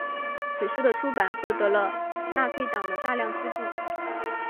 此书的出版获得了纳粹党的大量资助。